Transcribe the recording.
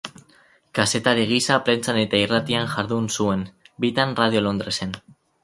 Kazetari gisa, prentsan eta irratian jardun zuen, bitan Radio Londresen.